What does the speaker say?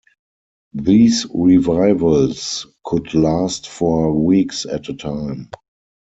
These revivals could last for weeks at a time.